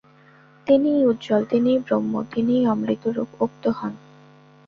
তিনিই উজ্জ্বল, তিনিই ব্রহ্ম, তিনিই অমৃতরূপ উক্ত হন।